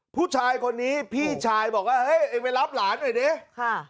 ผู้ชายคนนี้พี่ชายบอกว่าเฮ้ยเองไปรับหลานหน่อยดิค่ะ